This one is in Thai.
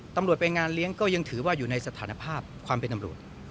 ตำรวจไปงานเลี้ยงก็ยังถือว่าอยู่ในสถานภาพความเป็นตำรวจ